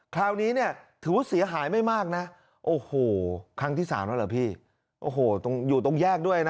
คราวนี้เนี่ย